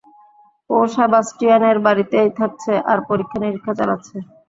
ও সেবাস্টিয়ানের বাড়িতেই থাকছে আর পরীক্ষা নিরীক্ষা চালাচ্ছে।